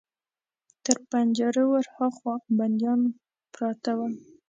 تر پنجرو ور هاخوا بنديان پراته ول.